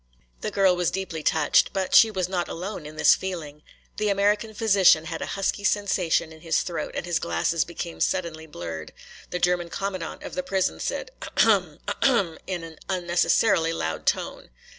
The girl was deeply touched. But she was not alone in this feeling. The American physician had a husky sensation in his throat and his glasses became suddenly blurred. The German commandant of the prison said "A hum, a hum," in an unnecessarily loud tone.